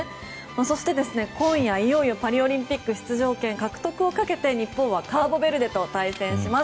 そして、今夜いよいよパリオリンピック出場権をかけて日本はカーボベルデと対戦します。